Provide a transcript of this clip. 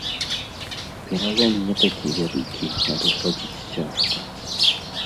Пералом не такі вялікі, але хадзіць цяжка.